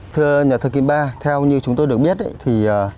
thưa nhà thơ kim ba theo như chúng tôi được biết thì